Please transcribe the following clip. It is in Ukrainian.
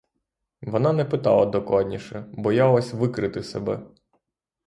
Вона не питала докладніше, боялась викрити себе.